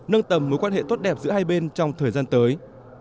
nâng tầm mối quan hệ tốt đẹp giữa hai bên trong thời gian tới